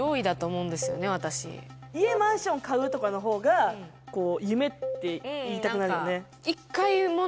家・マンション買うとかの方が夢って言いたくなるよね。